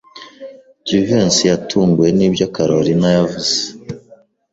Jivency yatunguwe nibyo Kalorina yavuze.